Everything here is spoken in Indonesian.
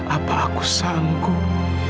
apa aku sanggup